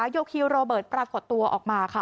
โยคิวโรเบิร์ตปรากฏตัวออกมาค่ะ